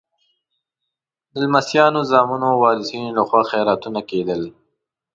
د لمسیانو، زامنو او وارثینو لخوا خیراتونه کېدل.